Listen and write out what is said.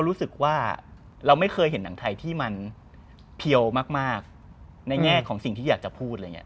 คือว่าเราไม่เคยเห็นหนังไทยที่มันเพียวมากในแง่ของสิ่งที่อยากจะพูด